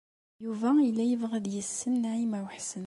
Yuba yella yebɣa ad yessen Naɛima u Ḥsen.